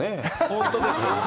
本当です。